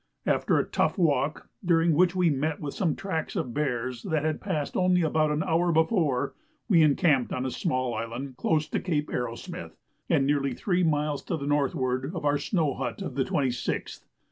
After a tough walk, during which we met with some tracks of bears that had passed only about an hour before, we encamped on a small island close to Cape Arrowsmith, and nearly three miles to the northward of our snow hut of the 26th.